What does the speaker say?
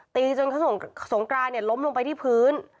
ตีจนเขาสงกรานล้มลงไปที่พื้น